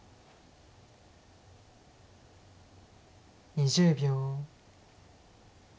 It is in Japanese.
２０秒。